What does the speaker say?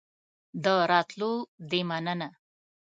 د راتلو دي مننه